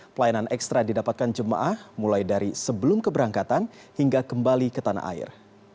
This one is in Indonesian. pelayanan ekstra didapatkan jemaah mulai dari sebelum keberangkatan hingga kembali ke tanah air